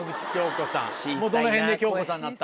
どのへんで京子さんになった？